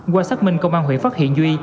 qua xác minh công an huyện phát hiện duy